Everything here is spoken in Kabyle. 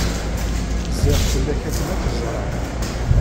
Zziɣ fell-ak akken ad k-ẓreɣ.